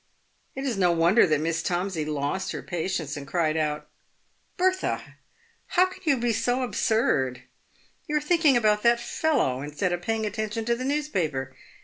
It is no wonder that Miss Tomsey lost her patience, and cried out, " Bertha ! how can you be so absurd ? You are thinking about that fellow, instead of paying attention to the newspaper.